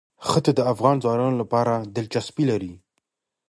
ښتې د افغان ځوانانو لپاره دلچسپي لري.